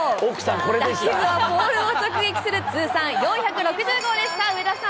打球はポールを直撃する通算４６０号でした。